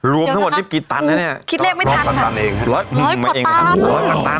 ยกเท่าไหร่คิดเลขไม่ทันร้อยหนึ่งกว่าตัน